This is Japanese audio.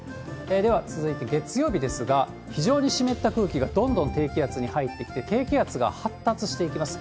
では、続いて月曜日ですが、非常に湿った空気がどんどん低気圧に入ってきて、低気圧が発達していきます。